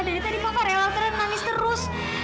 dari tadi kava rewak terang nangis terus